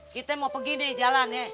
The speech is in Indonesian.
kita mau pergi nih jalan ya